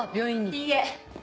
いいえ。